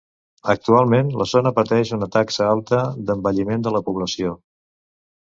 Actualment la zona pateix una taxa alta d'envelliment de la població.